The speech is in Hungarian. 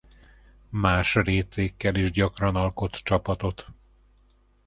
Más récékkel is gyakran alkot csapatot.